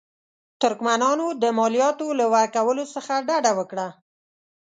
ترکمنانو د مالیاتو له ورکولو څخه ډډه وکړه.